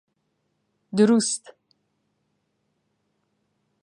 دروست!